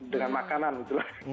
dengan makanan gitu loh